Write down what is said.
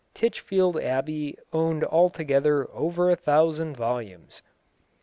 Titchfield Abbey owned altogether over a thousand volumes.